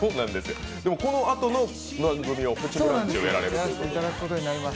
でもこのあとの番組「プチブランチ」をやられると。